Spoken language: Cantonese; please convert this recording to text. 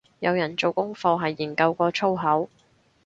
有人做功課係研究過粗口